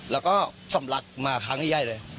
แล้วก็สำหรับมาขางใหญ่เลย